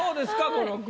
この句。